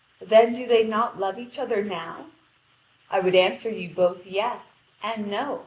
Then do they not love each other now? I would answer you both "yes" and "no."